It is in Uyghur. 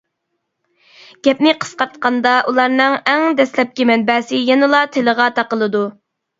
گەپنى قىسقارتقاندا، ئۇلارنىڭ ئەڭ دەسلەپكى مەنبەسى يەنىلا تېلىغا تاقىلىدۇ.